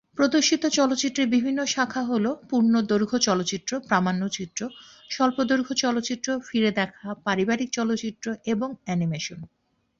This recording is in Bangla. প্রদর্শিত চলচ্চিত্রের বিভিন্ন শাখা হল পূর্ণদৈর্ঘ্য চলচ্চিত্র, প্রামাণ্যচিত্র, স্বল্পদৈর্ঘ্য চলচ্চিত্র, ফিরে দেখা, পারিবারিক চলচ্চিত্র এবং অ্যানিমেশন।